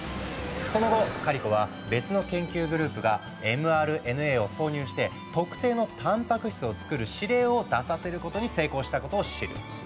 その後カリコは別の研究グループがｍＲＮＡを挿入して特定のたんぱく質をつくる指令を出させることに成功したことを知る。